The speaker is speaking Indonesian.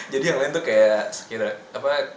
jadi yang lain itu kira kira seperti lenyap